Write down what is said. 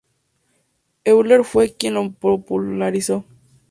Euler fue quien lo popularizó.